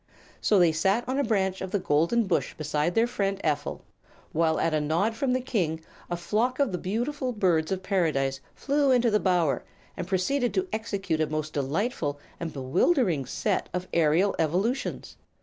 So they sat on a branch of the golden bush beside their friend Ephel, while at a nod from the King a flock of the beautiful Birds of Paradise flew into the bower and proceeded to execute a most delightful and bewildering set of aerial evolutions.